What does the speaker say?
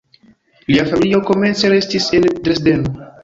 Lia familio komence restis en Dresdeno.